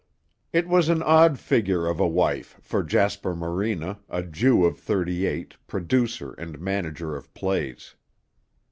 It was an odd figure of a wife for Jasper Morena, a Jew of thirty eight, producer and manager of plays.